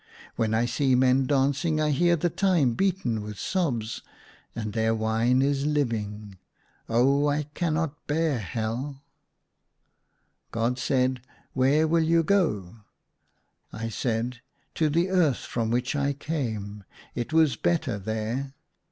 When I see men dancing I hear the time beaten in with sobs ; and their wine is living ! Oh, I cannot bear Hell !" God said, " Where will you go ?" 158 THE SUNLIGHT LA Y I said " To the earth from which I came ; it was better there."